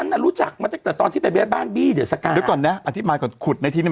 นุกอย่าทำเป็นแอปไม่รู้สิแอป